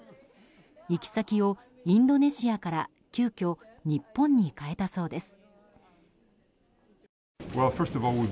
行き先を、インドネシアから急きょ日本に変えたそうです。